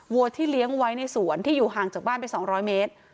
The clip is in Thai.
วัวที่เลี้ยงไว้ในสวนที่อยู่ห่างจากบ้านไป๒๐๐เมตร